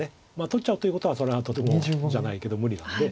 取っちゃうということはそれはとてもじゃないけど無理なんで。